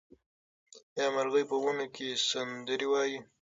آیا مرغۍ په ونو کې سندرې وايي؟